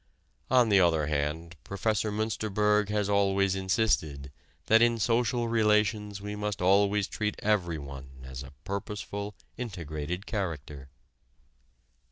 On the other hand Prof. Münsterberg has always insisted that in social relations we must always treat everyone as a purposeful, integrated character.